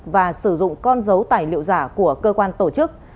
và sử dụng con dấu tài liệu giả của cơ quan tổ chức